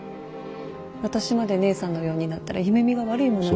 私まで姉さんのようになったら夢見が悪いものね。